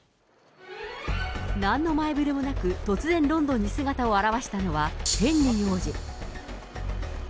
なんの前触れもなく突然ロンドンに姿を現したのはヘンリー王子。